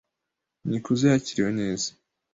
Nikuze yakiriwe neza.